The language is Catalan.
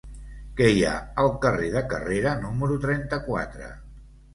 Què hi ha al carrer de Carrera número trenta-quatre?